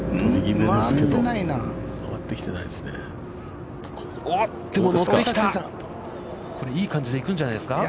曲がってきてないですね。